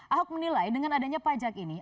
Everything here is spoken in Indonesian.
ahok menilai dengan adanya pajak ini